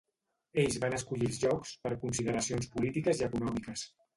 Ells van escollir els llocs per consideracions polítiques i econòmiques.